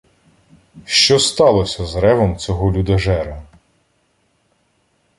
Що ж сталося з ревом цього людожера?